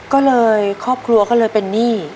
ก็เลยครอบครัวก็เลยเป็นหนี้